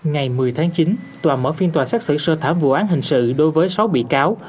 ngày một mươi tháng chín tòa mở phiên tòa xét xử sơ thảm vụ án hình sự đối với sáu bị cáo